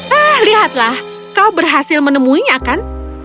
nah lihatlah kau berhasil menemuinya kan